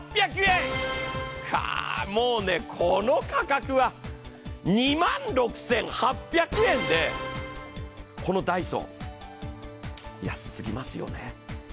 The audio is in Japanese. カ、もうこの価格は２万６８００円で、このダイソン、安すぎますよね。